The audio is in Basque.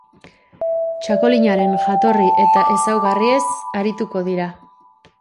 Txakolinaren jatorri eta ezaugarriez arituko dira.